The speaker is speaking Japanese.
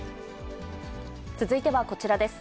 続いてはこちらです。